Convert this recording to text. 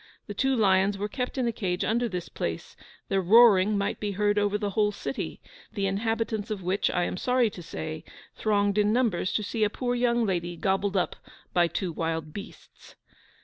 The two lions were kept in a cage under this place; their roaring might be heard over the whole city, the inhabitants of which, I am sorry to say, thronged in numbers to see a poor young lady gobbled up by two wild beasts.